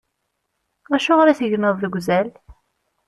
Acuɣeṛ i tegneḍ deg uzal?